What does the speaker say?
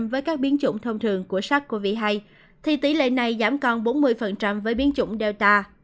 với các biến chủng thông thường của sars cov hai thì tỷ lệ này giảm còn bốn mươi với biến chủng delta